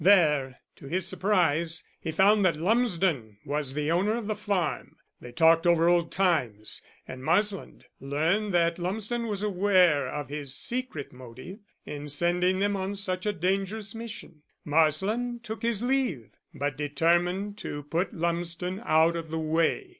There, to his surprise, he found that Lumsden was the owner of the farm. They talked over old times, and Marsland learned that Lumsden was aware of his secret motive in sending them on such a dangerous mission. Marsland took his leave, but determined to put Lumsden out of the way.